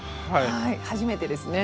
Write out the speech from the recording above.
初めてですね。